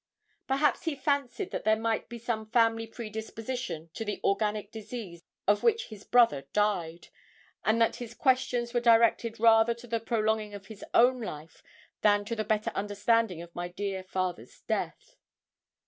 Perhaps he fancied that there might be some family predisposition to the organic disease of which his brother died, and that his questions were directed rather to the prolonging of his own life than to the better understanding of my dear father's death.